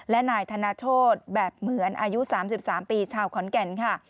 และนายธนโชธแบบเหมือนอายุ๓๓ปีชาวขอนแก่นค่ะ